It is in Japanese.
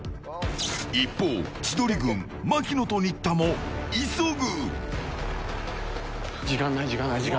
一方、千鳥軍槙野と新田も急ぐ。